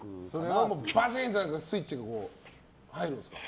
それは、バシッとスイッチが入るんですか？